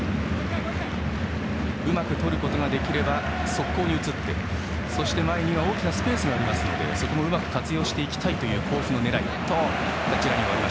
うまくとることができれば速攻に移って前には大きなスペースがあるのでそこをうまく活用したいという甲府の狙い。